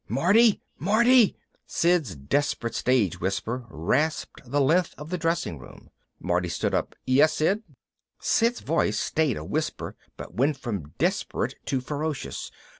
"Marty? Marty?" Sid's desperate stage whisper rasped the length of the dressing room. Martin stood up. "Yes, Sid?" Sid's voice stayed a whisper but went from desperate to ferocious.